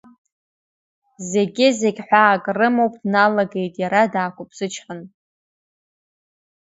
Зегьы зегь ҳәаак рымоуп, дналагеит иара даақәыԥсычҳаны.